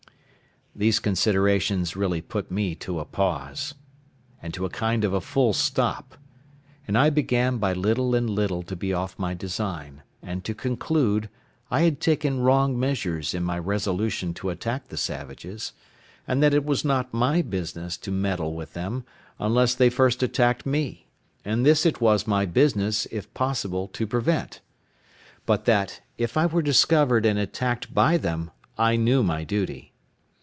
These considerations really put me to a pause, and to a kind of a full stop; and I began by little and little to be off my design, and to conclude I had taken wrong measures in my resolution to attack the savages; and that it was not my business to meddle with them, unless they first attacked me; and this it was my business, if possible, to prevent: but that, if I were discovered and attacked by them, I knew my duty.